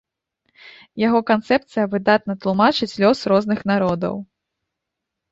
Яго канцэпцыя выдатна тлумачыць лёс розных народаў.